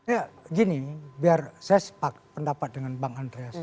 ya gini biar saya sepak pendapat dengan bang andreas